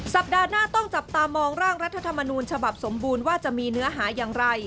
สัปดาห์หน้าต้องจับตามองร่างรัฐธรรมนูญฉบับสมบูรณ์ว่าจะมีเนื้อหาอย่างไร